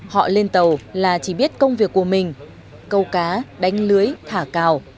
họ lên tàu là chỉ biết công việc của mình câu cá đánh lưới thả cào